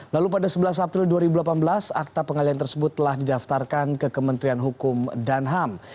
lalu pada sebelas april dua ribu delapan belas akta pengalian tersebut telah didaftarkan ke kementerian hukum dan ham